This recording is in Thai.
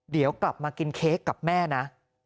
เดี๋ยวกลับมากินเค้กกับแม่นะ